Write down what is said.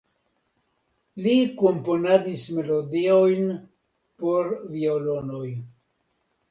Li komponadis melodiojn por violonoj.